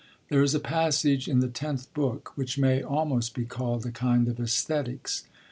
There is a passage in the tenth book which may almost be called a kind of æsthetics.